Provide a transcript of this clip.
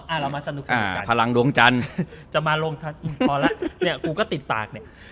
อ่าเรามาสนุกสนุกกันอ่าพลังดวงจันทร์จะมาลงทันอืมพอละเนี้ยกูก็ติดตากเนี้ย